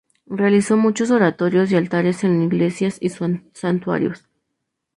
Realizó muchos oratorios y altares en iglesias y santuarios.